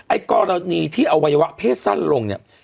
กรณีที่อวัยวะเพศสั้นลงเนี่ย